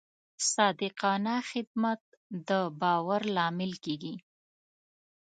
صادقانه خدمت د باور لامل کېږي.